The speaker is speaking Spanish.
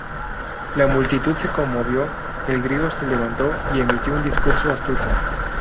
La multitud se conmovió, el griego se levantó y emitió un discurso astuto.